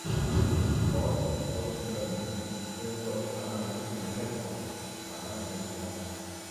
จอร์จ วอชิงตันเป็นประธานาธิบดีคนแรกของสหรัฐอเมริกา